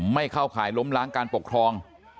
ไม่เข้าข่ายล้มล้างการปกครอง